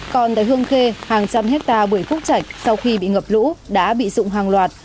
còn tại hương khê hàng trăm hectare bưởi phúc trạch sau khi bị ngập lũ đã bị rụng hàng loạt